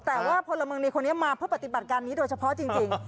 แต่ว่าพลเมืองดีคนนี้มาเพื่อปฏิบัติการนี้โดยเฉพาะจริง